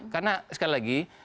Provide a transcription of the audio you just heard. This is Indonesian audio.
karena sekali lagi